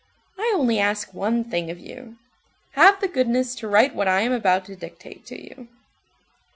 I only ask one thing of you. Have the goodness to write what I am about to dictate to you."